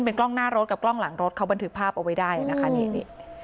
เป็นกล้องหน้ารถกับกล้องหลังรถเขาบันทึกภาพเอาไว้ได้นะคะนี่